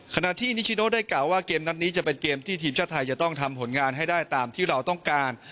ขณะที่นิชิโนได้กล่าวว่าเกมนัดนี้จะเป็นเกมที่ทีมชาติไทยจะต้องทำผลงานให้ได้ตามที่เราต้องการ